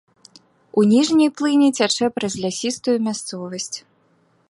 У ніжняй плыні цячэ праз лясістую мясцовасць.